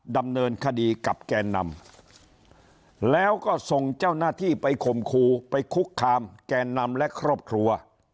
ดำเนินคดีกับแกนนำแล้วก็ส่งเจ้าหน้าที่ไปข่มครูไปคุกคามแกนนำและครอบครัว